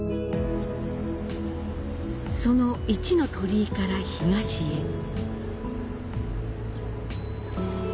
その一の鳥居から東へ。